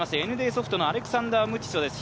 ＮＤソフトのアレクサンダー・ムティソです。